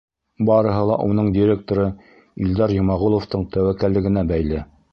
Барыһы ла уның директоры Илдар Йомағоловтың тәүәккәллегенә бәйле.